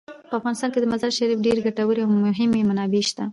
په افغانستان کې د مزارشریف ډیرې ګټورې او مهمې منابع شته.